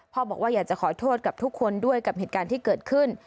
บอกว่าอยากจะขอโทษกับทุกคนด้วยกับเหตุการณ์ที่เกิดขึ้น